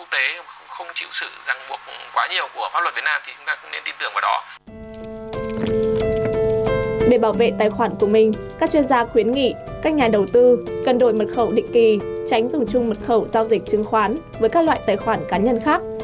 tránh dùng chung mật khẩu giao dịch trương khoán với các loại tài khoản cá nhân khác